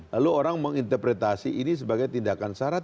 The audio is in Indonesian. lalu orang menginterpretasi ini sebagai tindakan syarat